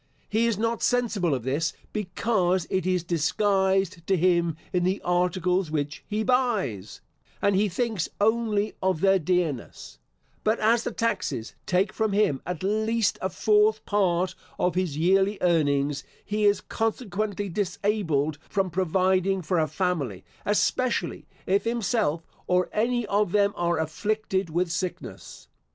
He is not sensible of this, because it is disguised to him in the articles which he buys, and he thinks only of their dearness; but as the taxes take from him, at least, a fourth part of his yearly earnings, he is consequently disabled from providing for a family, especially, if himself, or any of them, are afflicted with sickness.